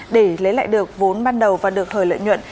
để lấy lại được vốn ban đầu và được thời lợi nhuận